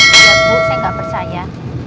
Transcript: iya bu saya gak percaya